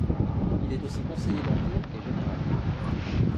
Il est aussi conseiller d'Empire, et général.